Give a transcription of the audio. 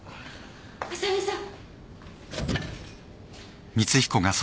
浅見さん。